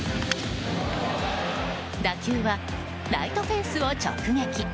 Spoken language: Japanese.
打球はライトフェンスを直撃。